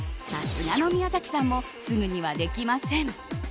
さすがの宮崎さんもすぐにはできません。